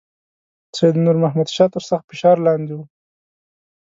سید نور محمد شاه تر سخت فشار لاندې وو.